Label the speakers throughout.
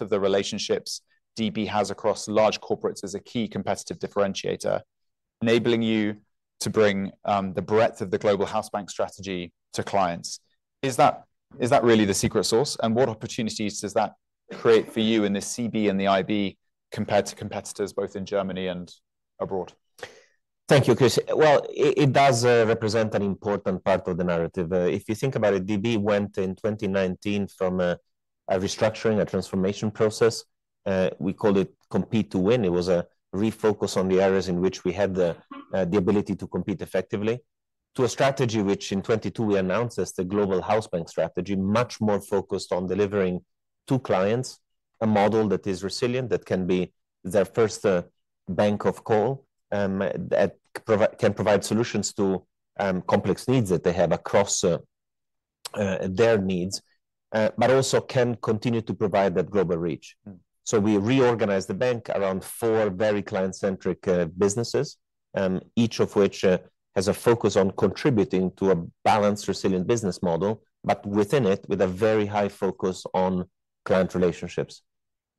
Speaker 1: of the relationships DB has across large corporates as a key competitive differentiator, enabling you to bring the breadth Global Hausbank strategy to clients. Is that really the secret sauce? What opportunities does that create for you in the CB and the IB compared to competitors, both in Germany and abroad?
Speaker 2: Thank you, Chris. Well, it does represent an important part of the narrative. If you think about it, DB went in 2019 from a restructuring, a transformation process, we called it Compete to Win. It was a refocus on the areas in which we had the ability to compete effectively, to a strategy which in 2022 we announced as the Global Hausbank strategy, much more focused on delivering to clients a model that is resilient, that can be their first bank of call, that can provide solutions to complex needs that they have across their needs, but also can continue to provide that global reach.
Speaker 1: Mm.
Speaker 2: So we reorganized the bank around four very client-centric businesses, each of which has a focus on contributing to a balanced, resilient business model, but within it, with a very high focus on client relationships.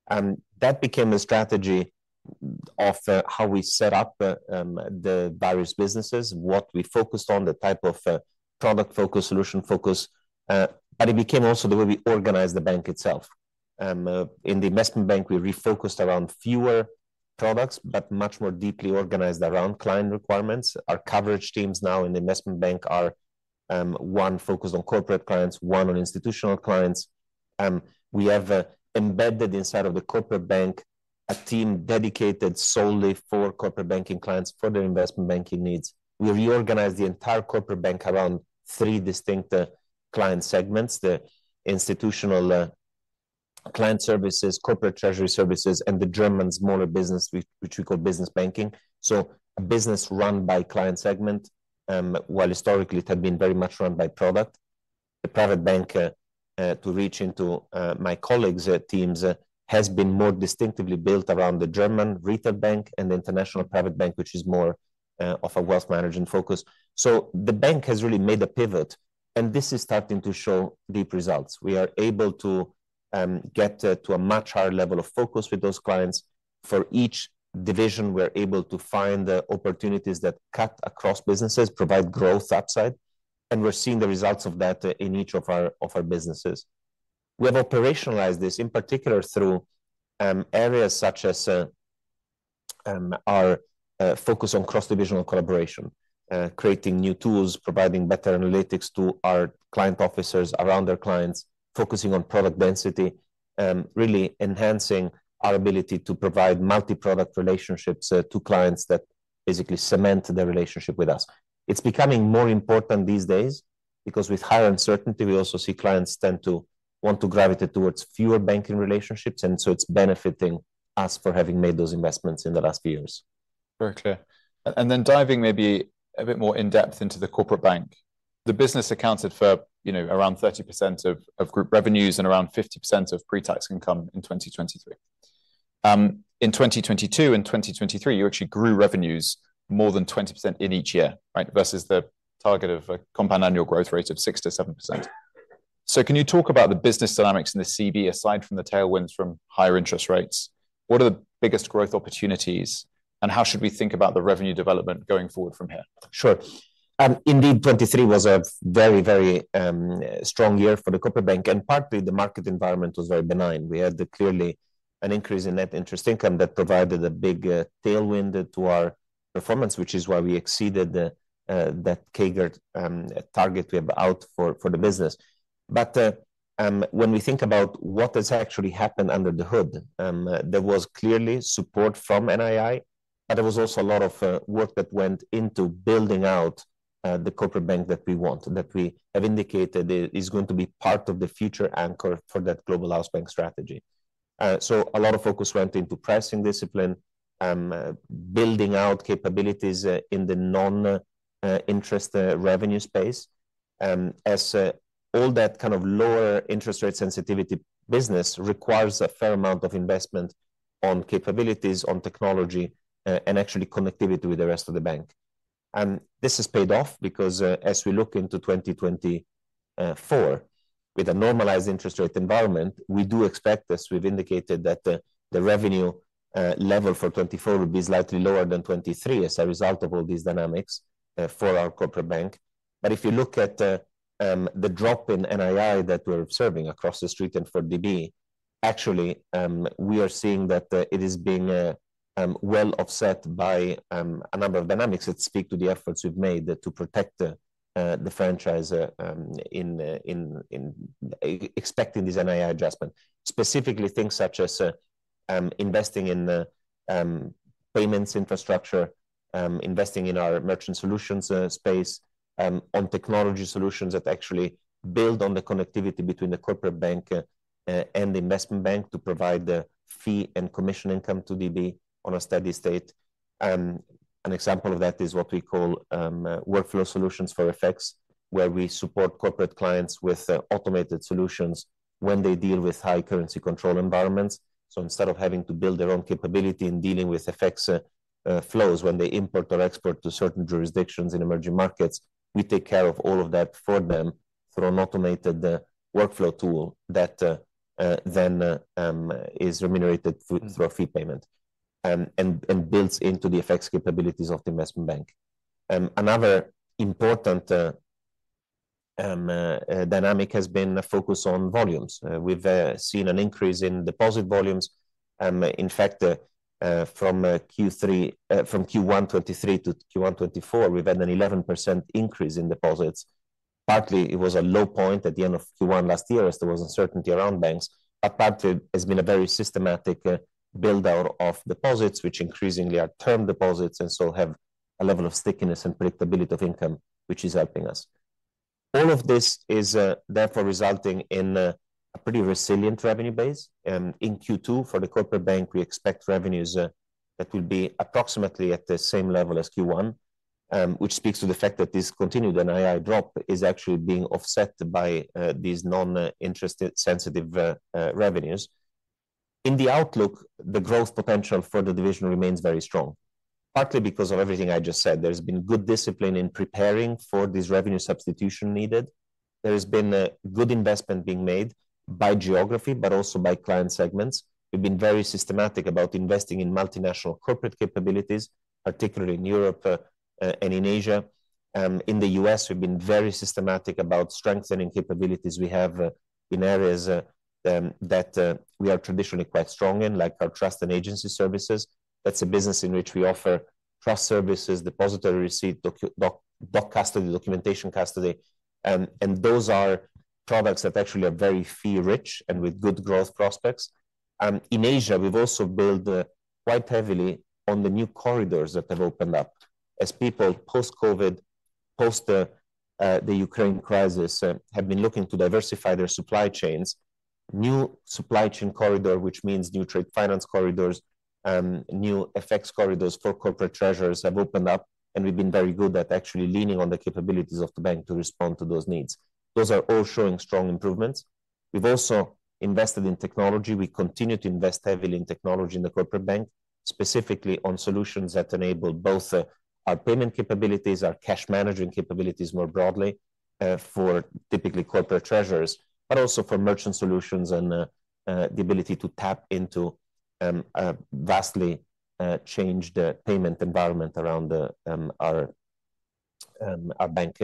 Speaker 2: And that became a strategy of, how we set up the various businesses, what we focused on, the type of product focus, solution focus, but it became also the way we organized the bank itself. In the Investment Bank, we refocused around fewer products, but much more deeply organized around client requirements. Our coverage teams now in the Investment Bank are, one focused on corporate clients, one on institutional clients. We have embedded inside of the Corporate Bank, a team dedicated solely for Corporate Banking clients for their Investment Banking needs. We reorganized the entire Corporate Bank around three distinct client segments: the Institutional Client Services, Corporate Treasury Services, and the German smaller business, which we call Business Banking. So a business run by client segment, while historically it had been very much run by product. The Private Bank to reach into my colleagues' teams has been more distinctively built around the German Retail Bank and the International Private Bank, which is more of a wealth management focus. So the bank has really made a pivot, and this is starting to show deep results. We are able to get to a much higher level of focus with those clients. For each division, we're able to find the opportunities that cut across businesses, provide growth upside, and we're seeing the results of that in each of our businesses. We have operationalized this, in particular, through areas such as our focus on cross-divisional collaboration, creating new tools, providing better analytics to our client officers around their clients, focusing on product density, really enhancing our ability to provide multi-product relationships to clients that basically cement their relationship with us. It's becoming more important these days because with higher uncertainty, we also see clients tend to want to gravitate towards fewer banking relationships, and so it's benefiting us for having made those investments in the last few years.
Speaker 1: Very clear. And then diving maybe a bit more in-depth into the Corporate Bank. The business accounted for, you know, around 30% of, of group revenues and around 50% of pre-tax income in 2023. In 2022 and 2023, you actually grew revenues more than 20% in each year, right? Versus the target of a compound annual growth rate of 6%-7%. So can you talk about the business dynamics in the CB, aside from the tailwinds from higher interest rates? What are the biggest growth opportunities, and how should we think about the revenue development going forward from here?
Speaker 2: Sure. Indeed, 2023 was a very, very strong year for the Corporate Bank, and partly the market environment was very benign. We had clearly an increase in net interest income that provided a big tailwind to our performance, which is why we exceeded that CAGR target we have out for the business. But when we think about what has actually happened under the hood, there was clearly support from NII, but there was also a lot of work that went into building out the Corporate Bank that we want, that we have indicated is going to be part of the future anchor for that Global Hausbank strategy. So a lot of focus went into pricing discipline, building out capabilities in the non-interest revenue space. As all that kind of lower interest rate sensitivity business requires a fair amount of investment on capabilities, on technology, and actually connectivity with the rest of the bank. And this has paid off because, as we look into 2024, with a normalized interest rate environment, we do expect this. We've indicated that the revenue level for 2024 will be slightly lower than 2023 as a result of all these dynamics, for our Corporate Bank. But if you look at the drop in NII that we're observing across the street and for DB, actually, we are seeing that it is being well offset by a number of dynamics that speak to the efforts we've made to protect the franchise in expecting this NII adjustment. Specifically, things such as investing in the payments infrastructure, investing in our Merchant Solutions space, on technology solutions that actually build on the connectivity between the Corporate Bank and the Investment Bank to provide the fee and commission income to DB on a steady state. An example of that is what we call Workflow Solutions for FX, where we support corporate clients with automated solutions when they deal with high currency control environments. So instead of having to build their own capability in dealing with FX flows when they import or export to certain jurisdictions in emerging markets, we take care of all of that for them through an automated workflow tool that then is remunerated through a fee payment. And builds into the FX capabilities of the Investment Bank. Another important dynamic has been the focus on volumes. We've seen an increase in deposit volumes, in fact, from Q3, from Q1 2023 to Q1 2024, we've had an 11% increase in deposits. Partly, it was a low point at the end of Q1 last year, as there was uncertainty around banks, but partly it's been a very systematic build-out of deposits, which increasingly are term deposits, and so have a level of stickiness and predictability of income, which is helping us. All of this is therefore resulting in a pretty resilient revenue base, and in Q2 for the Corporate Bank, we expect revenues that will be approximately at the same level as Q1. Which speaks to the fact that this continued NII drop is actually being offset by these non-interest sensitive revenues. In the outlook, the growth potential for the division remains very strong. Partly because of everything I just said, there's been good discipline in preparing for this revenue substitution needed. There has been a good investment being made by geography, but also by client segments. We've been very systematic about investing in multinational corporate capabilities, particularly in Europe and in Asia. In the U.S., we've been very systematic about strengthening capabilities we have in areas that we are traditionally quite strong in, like our Trust and Agency Services. That's a business in which we offer trust services, depositary receipt, documentation custody, and those are products that actually are very fee rich and with good growth prospects. And in Asia, we've also built quite heavily on the new corridors that have opened up. As people post-COVID, post the Ukraine crisis have been looking to diversify their supply chains. New supply chain corridor, which means new trade finance corridors, new FX corridors for corporate treasurers have opened up, and we've been very good at actually leaning on the capabilities of the bank to respond to those needs. Those are all showing strong improvements. We've also invested in technology. We continue to invest heavily in technology in the Corporate Bank, specifically on solutions that enable both our payment capabilities, our cash management capabilities more broadly for typically corporate treasurers, but also for Merchant Solutions and the ability to tap into a vastly changed payment environment around our bank.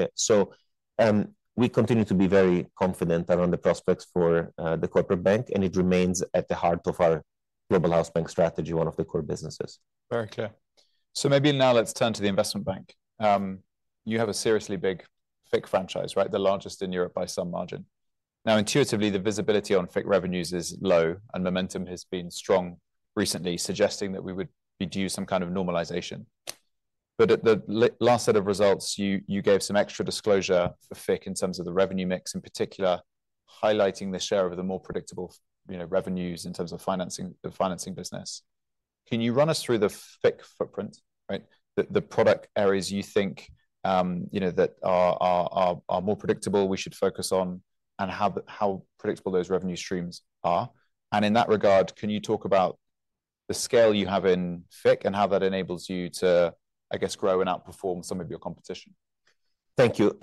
Speaker 2: We continue to be very confident around the prospects for the Corporate Bank, and it remains at the heart of our Global Hausbank strategy, one of the core businesses.
Speaker 1: Very clear. So maybe now let's turn to the Investment Bank. You have a seriously big FICC franchise, right? The largest in Europe by some margin. Now, intuitively, the visibility on FICC revenues is low, and momentum has been strong recently, suggesting that we would be due some kind of normalization. But at the last set of results, you gave some extra disclosure for FICC in terms of the revenue mix, in particular, highlighting the share of the more predictable, you know, revenues in terms of financing, the financing business. Can you run us through the FICC footprint, right? The product areas you think, you know, that are more predictable, we should focus on, and how predictable those revenue streams are. In that regard, can you talk about the scale you have in FICC, and how that enables you to, I guess, grow and outperform some of your competition?
Speaker 2: Thank you.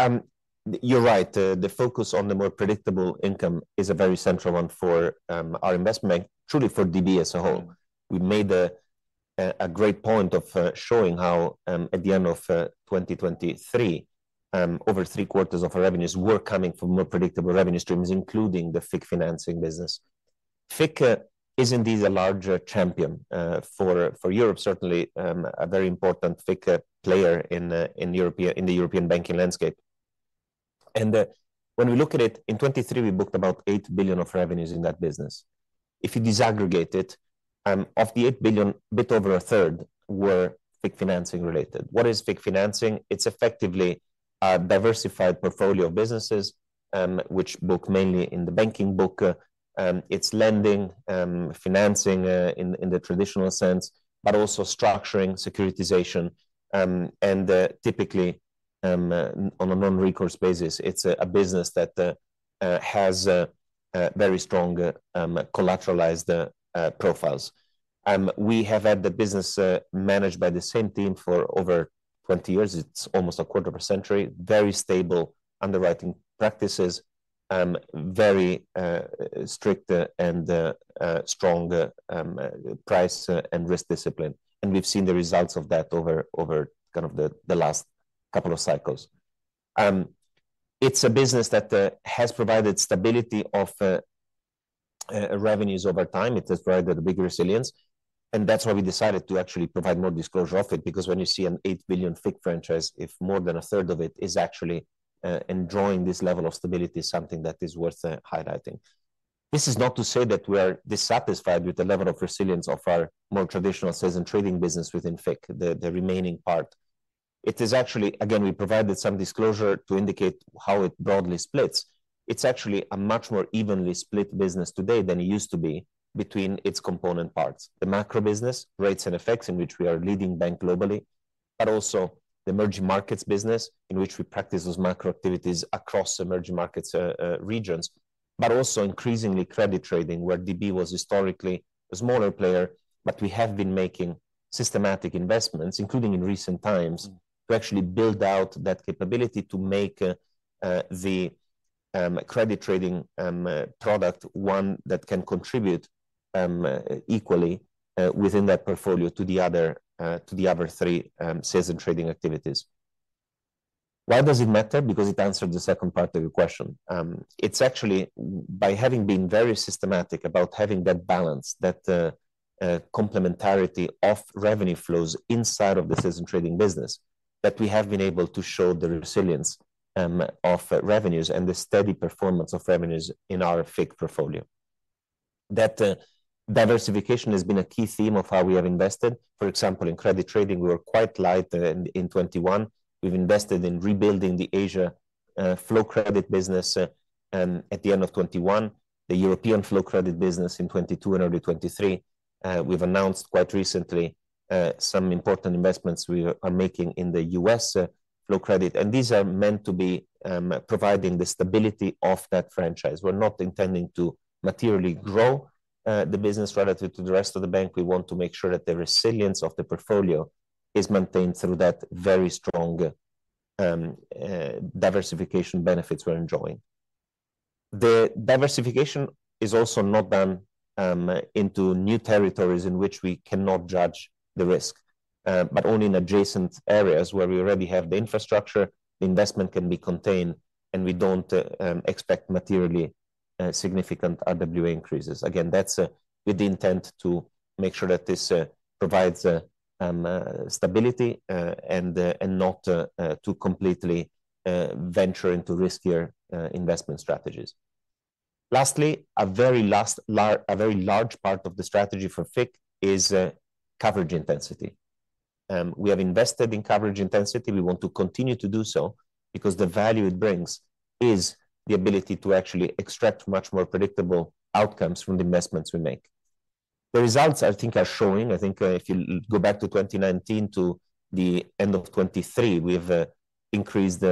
Speaker 2: You're right, the focus on the more predictable income is a very central one for our Investment Bank, truly for DB as a whole. We made a great point of showing how, at the end of 2023, over three quarters of our revenues were coming from more predictable revenue streams, including the FICC financing business. FICC is indeed a larger champion for Europe, certainly a very important FICC player in the European banking landscape. When we look at it, in 2023, we booked about 8 billion of revenues in that business. If you disaggregate it, of the 8 billion, a bit over a third were FICC financing related. What is FICC financing? It's effectively a diversified portfolio of businesses, which book mainly in the banking book. It's lending, financing, in the traditional sense, but also structuring, securitization, and typically on a non-recourse basis. It's a business that has very strong collateralized profiles. We have had the business managed by the same team for over 20 years. It's almost a quarter of a century. Very stable underwriting practices, very strict and strong price and risk discipline, and we've seen the results of that over kind of the last couple of cycles. It's a business that has provided stability of revenues over time. It has provided big resilience, and that's why we decided to actually provide more disclosure of it, because when you see an 8 billion FICC franchise, if more than a third of it is actually enjoying this level of stability, is something that is worth highlighting. This is not to say that we are dissatisfied with the level of resilience of our more traditional sales and trading business within FICC, the remaining part. It is actually... Again, we provided some disclosure to indicate how it broadly splits. It's actually a much more evenly split business today than it used to be between its component parts: the macro business, rates and FX, in which we are leading bank globally, but also the emerging markets business, in which we practice those macro activities across emerging markets regions.... But also increasingly credit trading, where DB was historically a smaller player, but we have been making systematic investments, including in recent times, to actually build out that capability to make the credit trading product one that can contribute equally within that portfolio to the other three sales and trading activities. Why does it matter? Because it answered the second part of your question. It's actually by having been very systematic about having that balance, that complementarity of revenue flows inside of the sales and trading business, that we have been able to show the resilience of revenues and the steady performance of revenues in our FICC portfolio. That diversification has been a key theme of how we have invested. For example, in credit trading, we were quite light in 2021. We've invested in rebuilding the Asia flow credit business at the end of 2021, the European flow credit business in 2022 and early 2023. We've announced quite recently some important investments we are making in the U.S. flow credit, and these are meant to be providing the stability of that franchise. We're not intending to materially grow the business relative to the rest of the bank. We want to make sure that the resilience of the portfolio is maintained through that very strong diversification benefits we're enjoying. The diversification is also not done into new territories in which we cannot judge the risk but only in adjacent areas where we already have the infrastructure, the investment can be contained, and we don't expect materially significant RWA increases. Again, that's with the intent to make sure that this provides stability and not to completely venture into riskier investment strategies. Lastly, a very large part of the strategy for FICC is coverage intensity. We have invested in coverage intensity. We want to continue to do so because the value it brings is the ability to actually extract much more predictable outcomes from the investments we make. The results, I think, are showing. I think, if you go back to 2019 to the end of 2023, we've increased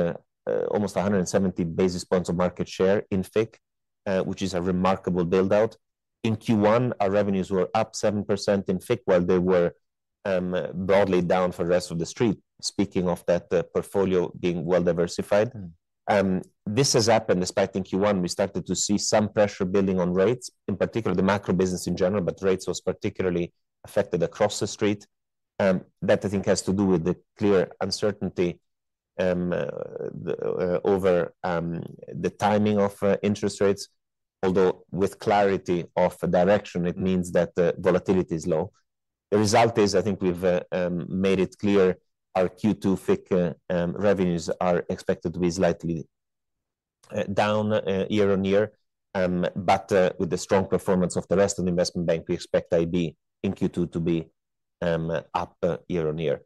Speaker 2: almost 170 basis points of market share in FICC, which is a remarkable build-out. In Q1, our revenues were up 7% in FICC, while they were broadly down for the rest of the street, speaking of that, portfolio being well diversified.
Speaker 1: Mm.
Speaker 2: This has happened despite, in Q1, we started to see some pressure building on rates, in particular, the macro business in general, but rates was particularly affected across the street. That I think has to do with the clear uncertainty over the timing of interest rates, although with clarity of direction, it means that the volatility is low. The result is, I think we've made it clear, our Q2 FICC revenues are expected to be slightly down year-on-year. But with the strong performance of the rest of the Investment Bank, we expect IB in Q2 to be up year-on-year.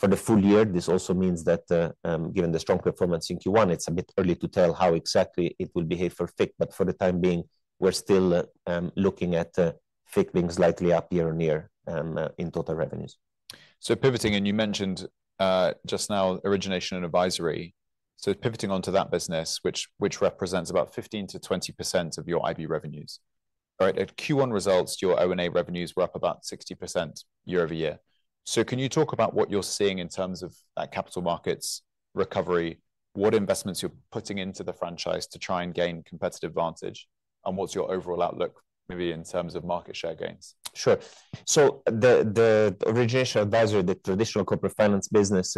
Speaker 2: For the full year, this also means that, given the strong performance in Q1, it's a bit early to tell how exactly it will behave for FICC, but for the time being, we're still looking at FICC being slightly up year-on-year in total revenues.
Speaker 1: So pivoting, and you mentioned just now Origination and Advisory. So pivoting onto that business, which, which represents about 15%-20% of your IB revenues, right? At Q1 results, your O&A revenues were up about 60% year-over-year. So can you talk about what you're seeing in terms of that capital markets recovery? What investments you're putting into the franchise to try and gain competitive advantage, and what's your overall outlook, maybe in terms of market share gains?
Speaker 2: Sure. So the Origination Advisory, the traditional corporate finance business,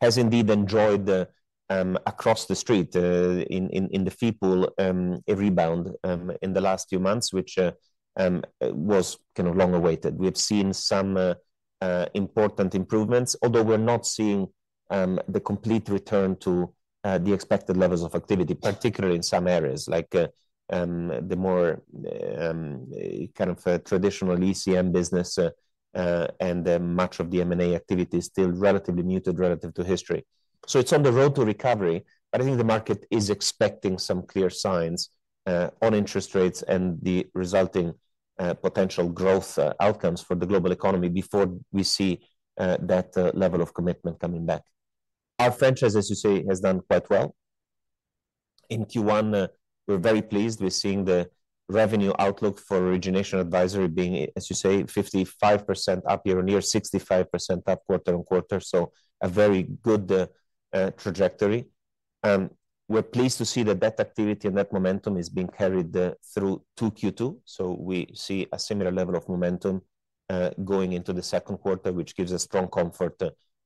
Speaker 2: has indeed enjoyed a rebound across-the-board in the fee pool in the last few months, which was kind of long awaited. We have seen some important improvements, although we're not seeing the complete return to the expected levels of activity, particularly in some areas like the more kind of traditional ECM business, and much of the M&A activity is still relatively muted relative to history. So it's on the road to recovery, but I think the market is expecting some clear signs on interest rates and the resulting potential growth outcomes for the global economy before we see that level of commitment coming back. Our franchise, as you say, has done quite well. In Q1, we're very pleased with seeing the revenue outlook for Origination Advisory being, as you say, 55% up year-on-year, 65% up quarter-on-quarter, so a very good trajectory. We're pleased to see that that activity and that momentum is being carried through to Q2, so we see a similar level of momentum going into the second quarter, which gives us strong comfort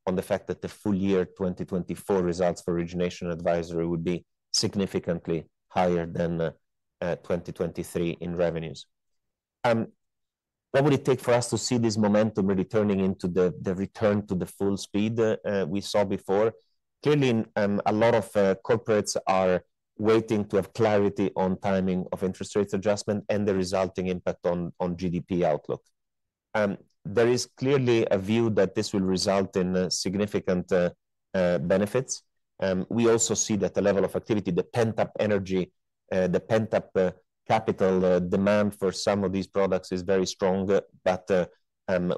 Speaker 2: on the fact that the full year 2024 results for Origination Advisory would be significantly higher than 2023 in revenues. What would it take for us to see this momentum really turning into the return to the full speed we saw before? Clearly, a lot of corporates are waiting to have clarity on timing of interest rates adjustment and the resulting impact on GDP outlook. There is clearly a view that this will result in significant benefits. We also see that the level of activity, the pent-up energy, the pent-up capital demand for some of these products is very strong but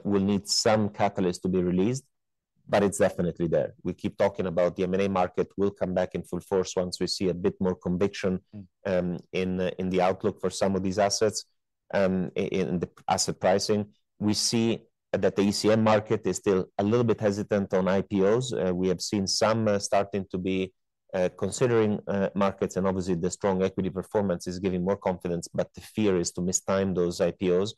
Speaker 2: will need some catalyst to be released... but it's definitely there. We keep talking about the M&A market will come back in full force once we see a bit more conviction-
Speaker 1: Mm.
Speaker 2: In the outlook for some of these assets in the asset pricing. We see that the ECM market is still a little bit hesitant on IPOs. We have seen some starting to be considering markets, and obviously the strong equity performance is giving more confidence, but the fear is to mistime those IPOs.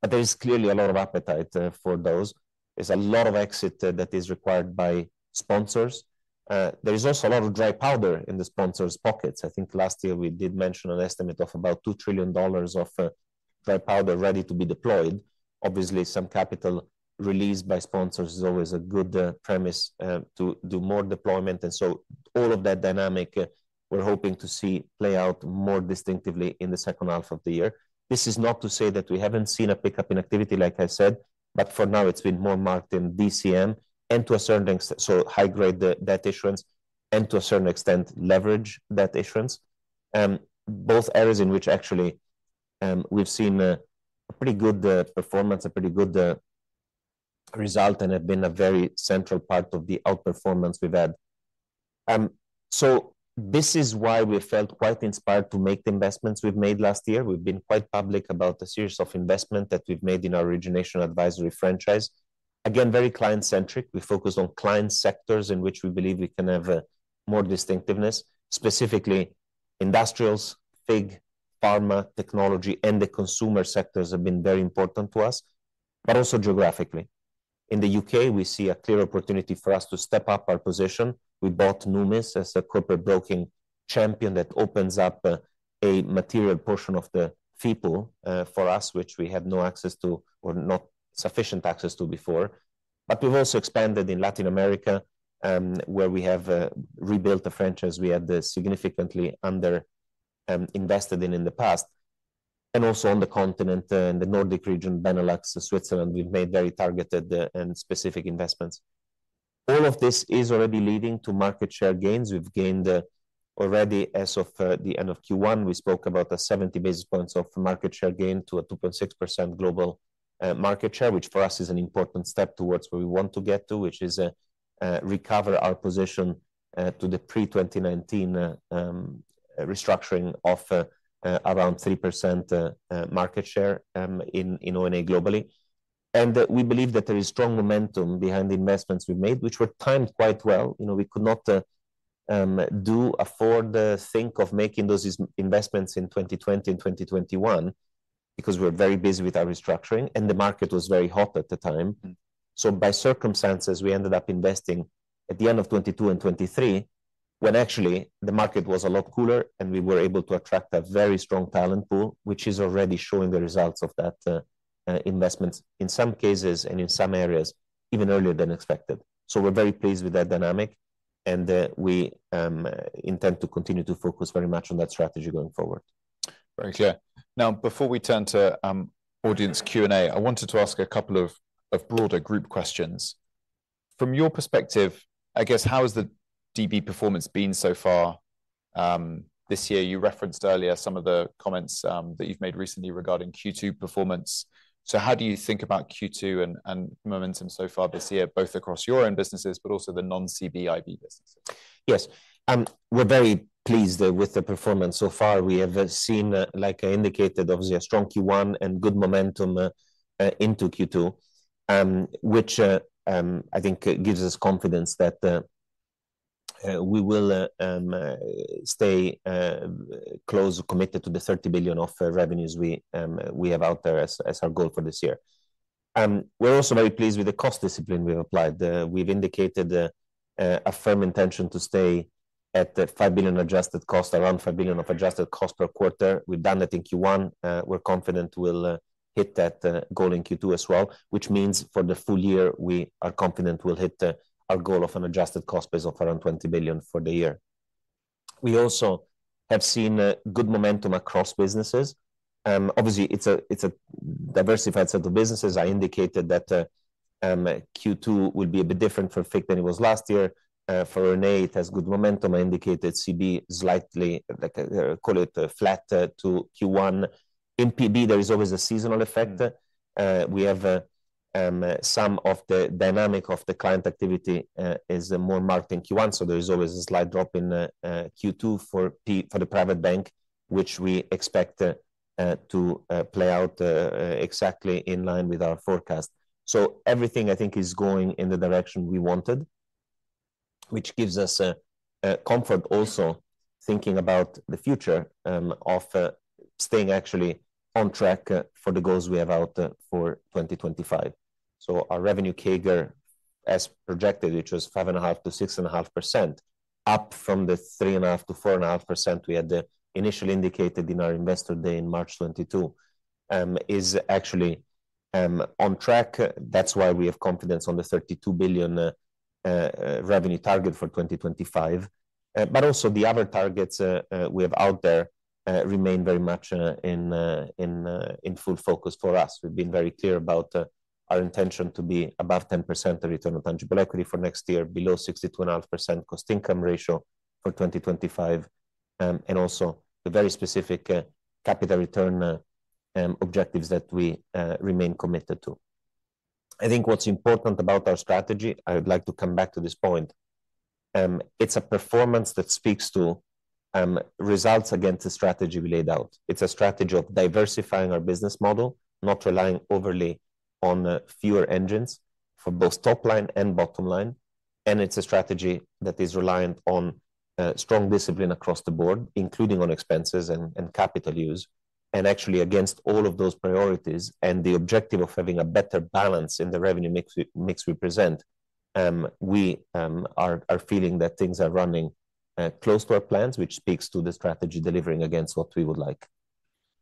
Speaker 2: But there is clearly a lot of appetite for those. There's a lot of exit that is required by sponsors. There is also a lot of dry powder in the sponsors' pockets. I think last year we did mention an estimate of about $2 trillion of dry powder ready to be deployed. Obviously, some capital released by sponsors is always a good premise to do more deployment, and so all of that dynamic, we're hoping to see play out more distinctively in the second half of the year. This is not to say that we haven't seen a pickup in activity, like I said, but for now it's been more marked in DCM and to a certain extent, so high-grade debt issuance, and to a certain extent, leveraged debt issuance. Both areas in which actually, we've seen a pretty good performance, a pretty good result, and have been a very central part of the outperformance we've had. So, this is why we felt quite inspired to make the investments we've made last year. We've been quite public about the series of investment that we've made in our origination advisory franchise. Again, very client-centric. We focus on client sectors in which we believe we can have more distinctiveness, specifically industrials, FIG, pharma, technology, and the consumer sectors have been very important to us, but also geographically. In the U.K., we see a clear opportunity for us to step up our position. We bought Numis as a corporate broking champion that opens up a material portion of the people for us, which we had no access to or not sufficient access to before. But we've also expanded in Latin America, where we have rebuilt a franchise, we had significantly under invested in in the past, and also on the continent, in the Nordic region, Benelux, Switzerland, we've made very targeted and specific investments. All of this is already leading to market share gains. We've gained already as of the end of Q1, we spoke about a 70 basis points of market share gain to a 2.6% global market share, which for us is an important step towards where we want to get to, which is recover our position to the pre-2019 restructuring of around 3% market share in O&A globally. And we believe that there is strong momentum behind the investments we made, which were timed quite well. You know, we could not afford to think of making those investments in 2020 and 2021, because we were very busy with our restructuring, and the market was very hot at the time.
Speaker 1: Mm.
Speaker 2: So by circumstances, we ended up investing at the end of 2022 and 2023, when actually the market was a lot cooler and we were able to attract a very strong talent pool, which is already showing the results of that investment, in some cases and in some areas, even earlier than expected. So we're very pleased with that dynamic, and, we intend to continue to focus very much on that strategy going forward.
Speaker 1: Very clear. Now, before we turn to audience Q&A, I wanted to ask a couple of broader group questions. From your perspective, I guess, how has the DB performance been so far this year? You referenced earlier some of the comments that you've made recently regarding Q2 performance. So how do you think about Q2 and momentum so far this year, both across your own businesses, but also the non-CBIB businesses?
Speaker 2: Yes. We're very pleased with the performance so far. We have seen, like I indicated, obviously, a strong Q1 and good momentum into Q2, which I think gives us confidence that we will stay close committed to the 30 billion of revenues we have out there as our goal for this year. We're also very pleased with the cost discipline we've applied. We've indicated a firm intention to stay at the 5 billion adjusted cost, around 5 billion of adjusted cost per quarter. We've done that in Q1. We're confident we'll hit that goal in Q2 as well, which means for the full year, we are confident we'll hit our goal of an adjusted cost base of around 20 billion for the year. We also have seen good momentum across businesses. Obviously, it's a diversified set of businesses. I indicated that Q2 will be a bit different for FIG than it was last year. For O&A, it has good momentum. I indicated CB slightly, like, call it, flatter to Q1. In PB, there is always a seasonal effect.
Speaker 1: Mm.
Speaker 2: We have some of the dynamic of the client activity is more marked in Q1, so there is always a slight drop in Q2 for the Private Bank, which we expect to play out exactly in line with our forecast. So everything, I think, is going in the direction we wanted, which gives us comfort also thinking about the future of staying actually on track for the goals we have out for 2025. So our revenue CAGR, as projected, which was 5.5%-6.5%, up from the 3.5%-4.5% we had initially indicated in our Investor Day in March 2022, is actually on track. That's why we have confidence on the 32 billion revenue target for 2025. But also, the other targets we have out there remain very much in full focus for us. We've been very clear about our intention to be above 10% return on tangible equity for next year, below 62.5% cost/income ratio for 2025, and also the very specific capital return target objectives that we remain committed to. I think what's important about our strategy, I would like to come back to this point, it's a performance that speaks to results against the strategy we laid out. It's a strategy of diversifying our business model, not relying overly on fewer engines for both top line and bottom line, and it's a strategy that is reliant on strong discipline across the board, including on expenses and capital use. Actually, against all of those priorities and the objective of having a better balance in the revenue mix we present, we are feeling that things are running close to our plans, which speaks to the strategy delivering against what we would like.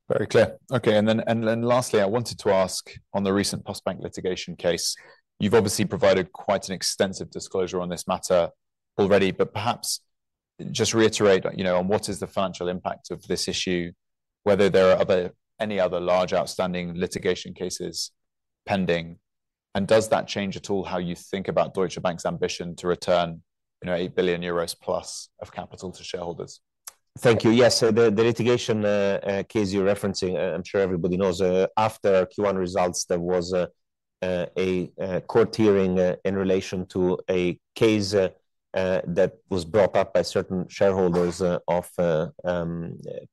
Speaker 1: Very clear. Okay, and then lastly, I wanted to ask on the recent Postbank litigation case. You've obviously provided quite an extensive disclosure on this matter already, but perhaps just reiterate, you know, on what is the financial impact of this issue, whether there are any other large outstanding litigation cases pending, and does that change at all how you think about Deutsche Bank's ambition to return, you know, 8 billion euros plus of capital to shareholders?
Speaker 2: Thank you. Yes, so the litigation case you're referencing, I'm sure everybody knows, after Q1 results, there was a court hearing in relation to a case that was brought up by certain shareholders of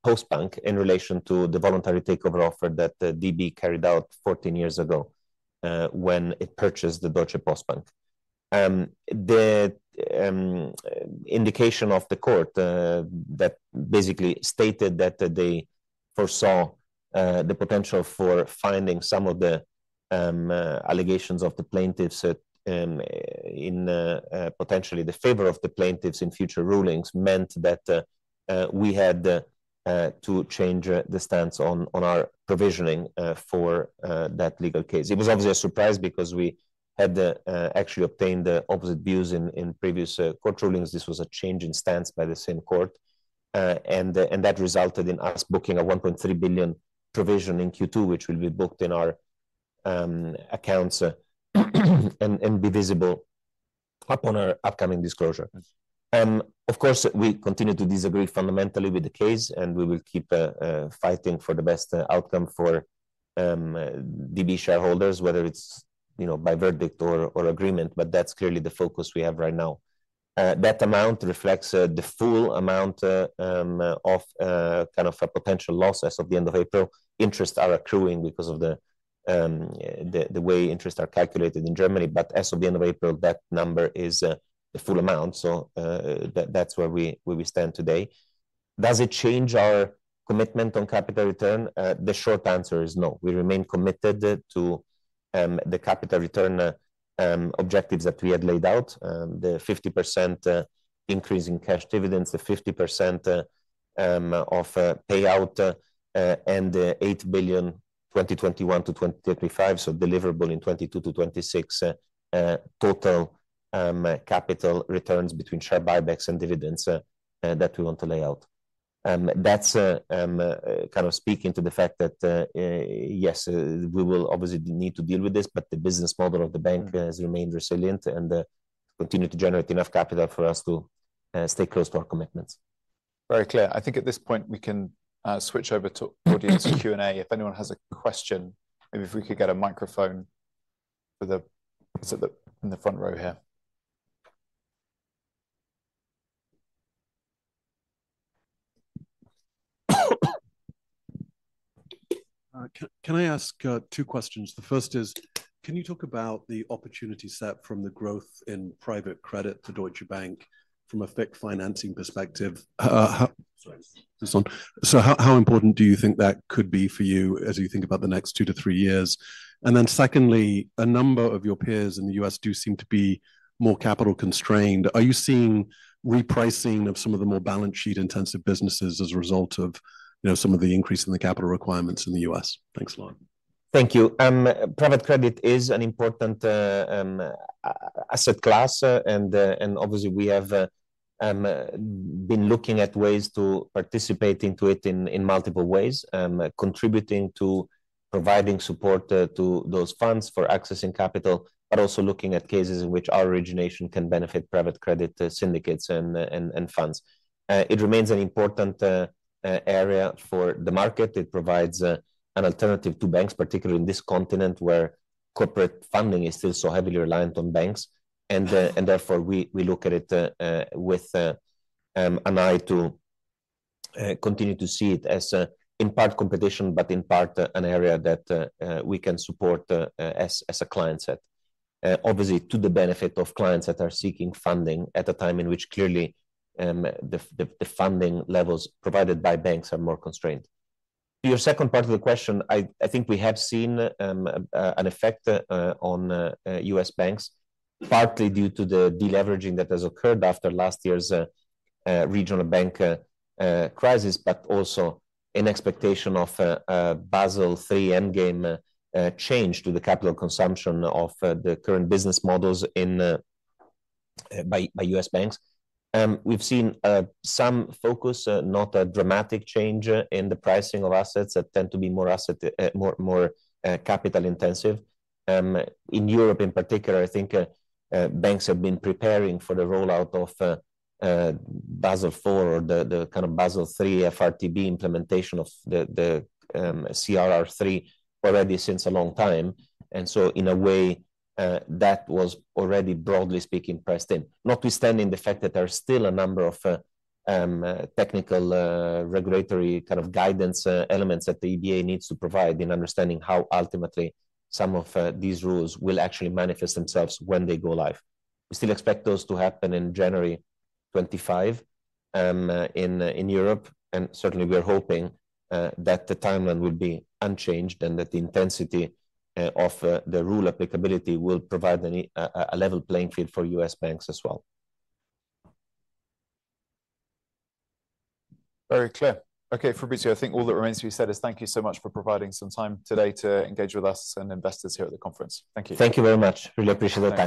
Speaker 2: Postbank in relation to the voluntary takeover offer that DB carried out 14 years ago, when it purchased the Deutsche Postbank. The indication of the court that basically stated that they foresaw the potential for finding some of the allegations of the plaintiffs potentially in the favor of the plaintiffs in future rulings, meant that we had to change the stance on our provisioning for that legal case. It was obviously a surprise because we had actually obtained the opposite views in previous court rulings. This was a change in stance by the same court. That resulted in us booking a 1.3 billion provision in Q2, which will be booked in our accounts, and be visible up on our upcoming disclosure. Of course, we continue to disagree fundamentally with the case, and we will keep fighting for the best outcome for DB shareholders, whether it's, you know, by verdict or agreement, but that's clearly the focus we have right now. That amount reflects the full amount of kind of a potential loss as of the end of April. Interest are accruing because of the way interests are calculated in Germany, but as of the end of April, that number is the full amount. So, that's where we stand today. Does it change our commitment on capital return? The short answer is no. We remain committed to the capital return objectives that we had laid out. The 50% increase in cash dividends, the 50% of payout, and the 8 billion 2021-2025, so deliverable in 2022-2026, total capital returns between share buybacks and dividends that we want to lay out. That's kind of speaking to the fact that, yes, we will obviously need to deal with this, but the business model of the bank has remained resilient and continue to generate enough capital for us to stay close to our commitments.
Speaker 1: Very clear. I think at this point, we can switch over to audience Q&A. If anyone has a question, maybe if we could get a microphone for the... So the, in the front row here.
Speaker 3: Can I ask two questions? The first is, can you talk about the opportunity set from the growth in private credit to Deutsche Bank from a FICC Financing perspective? So how important do you think that could be for you as you think about the next two to three years? And then secondly, a number of your peers in the U.S. do seem to be more capital constrained. Are you seeing repricing of some of the more balance sheet intensive businesses as a result of, you know, some of the increase in the capital requirements in the U.S.? Thanks a lot.
Speaker 2: Thank you. Private credit is an important asset class, and obviously, we have been looking at ways to participate into it in multiple ways, contributing to providing support to those funds for accessing capital, but also looking at cases in which our origination can benefit private credit syndicates and funds. It remains an important area for the market. It provides an alternative to banks, particularly in this continent, where corporate funding is still so heavily reliant on banks. And therefore, we look at it with an eye to continue to see it as in part competition, but in part an area that we can support as a client set. Obviously, to the benefit of clients that are seeking funding at a time in which clearly, the funding levels provided by banks are more constrained. To your second part of the question, I think we have seen an effect on U.S. banks, partly due to the deleveraging that has occurred after last year's regional bank crisis, but also in expectation of a Basel III Endgame change to the capital consumption of the current business models in by U.S. banks. We've seen some focus, not a dramatic change, in the pricing of assets that tend to be more asset, more capital intensive. In Europe, in particular, I think, banks have been preparing for the rollout of Basel IV or the kind of Basel III FRTB implementation of the CRR3 already since a long time. And so in a way, that was already, broadly speaking, priced in. Notwithstanding the fact that there are still a number of technical regulatory kind of guidance elements that the EBA needs to provide in understanding how ultimately some of these rules will actually manifest themselves when they go live. We still expect those to happen in January 2025 in Europe, and certainly, we are hoping that the timeline will be unchanged and that the intensity of the rule applicability will provide a level playing field for US banks as well.
Speaker 1: Very clear. Okay, Fabrizio, I think all that remains to be said is thank you so much for providing some time today to engage with us and investors here at the conference. Thank you.
Speaker 2: Thank you very much. Really appreciate the time.